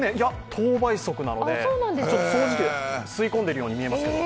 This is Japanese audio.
等倍速なので、吸い込んでいるように見えますが。